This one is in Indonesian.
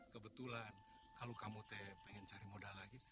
kebetulan kalau kamu teh ingin cari modal lagi